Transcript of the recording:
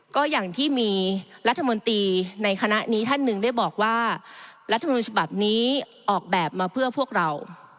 ก็อย่างที่มีรัฐมนตรีในคณะนี้ท่านหนึ่งได้บอกว่ารัฐมนุนฉบับนี้ออกแบบมาเพื่อพวกเรา